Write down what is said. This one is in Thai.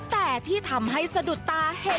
แต่ที่ทำให้สะดุดตาเห็นจะเป็น